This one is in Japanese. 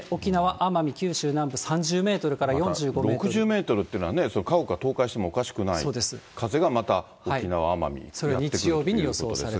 奄美、九州南部、３０メート６０メートルっていうのはね、家屋が倒壊してもおかしくない風がまた、沖縄・奄美にやって来る予想ですが。